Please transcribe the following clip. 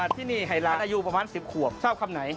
ที่นี่ให้หลานอายุประมาณ๑๐ขวบทราบคำไหน